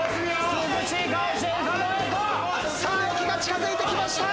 さあ駅が近づいてきました！